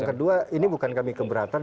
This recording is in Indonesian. yang kedua ini bukan kami keberatan